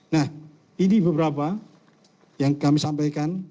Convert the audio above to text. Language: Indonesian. nah ini beberapa yang kami sampaikan